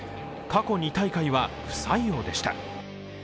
過去２大会は不採用でした。